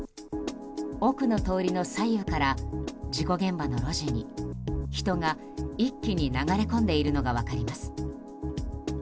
奥の通りの左右から事故現場の路地に人が一気に流れ込んでいるのが分かります。